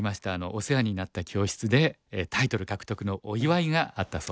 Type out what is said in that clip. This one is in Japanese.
お世話になった教室でタイトル獲得のお祝いがあったそうです。